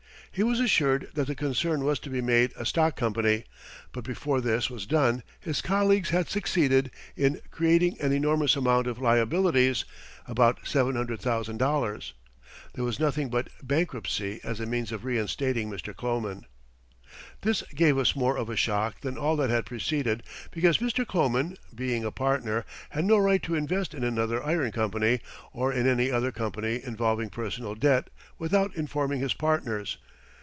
He was assured that the concern was to be made a stock company, but before this was done his colleagues had succeeded in creating an enormous amount of liabilities about seven hundred thousand dollars. There was nothing but bankruptcy as a means of reinstating Mr. Kloman. This gave us more of a shock than all that had preceded, because Mr. Kloman, being a partner, had no right to invest in another iron company, or in any other company involving personal debt, without informing his partners.